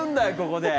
ここで。